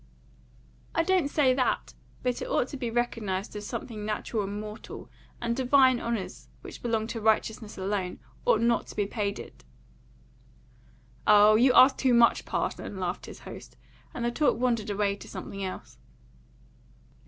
"I don't say that. But it ought to be recognised as something natural and mortal, and divine honours, which belong to righteousness alone, ought not to be paid it." "Oh, you ask too much, parson," laughed his host, and the talk wandered away to something else.